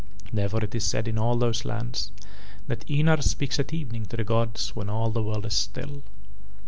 Therefore it is said in all those lands that Ynar speaks at evening to the gods when all the world is still.